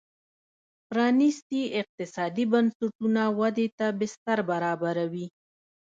پرانیستي اقتصادي بنسټونه ودې ته بستر برابروي.